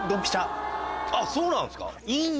あっそうなんですか？